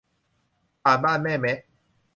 ผ่านบ้านแม่แมะ